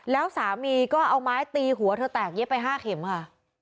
แล้วสามีก็เอาไม้ตีหัวเธอแตกเย็บไป๕เข็มค่ะ